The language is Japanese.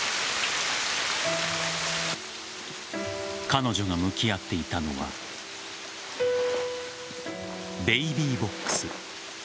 彼女が向き合っていたのはベイビーボックス。